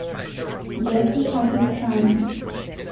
Gasly also spun.